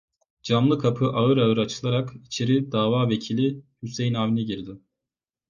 Camlı kapı ağır ağır açılarak içeri davavekili Hüseyin Avni girdi.